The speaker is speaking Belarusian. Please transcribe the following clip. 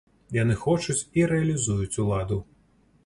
Яны хочуць і рэалізуюць уладу.